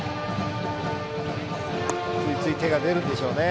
ついつい手が出るんでしょうね。